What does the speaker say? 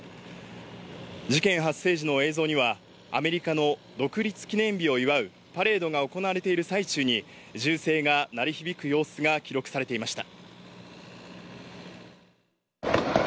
事件発生時の映像にはアメリカの独立記念日を祝うパレードが行われている最中に銃声が鳴り響く様子が記録されていました。